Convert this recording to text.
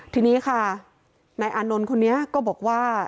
ทีนี้ค่ะนายอานนท์คนนี้ก็บอกว่า